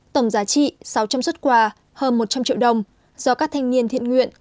tổng giá trị sáu trăm linh xuất quà hơn một trăm linh triệu đồng do các thanh niên thiện nguyện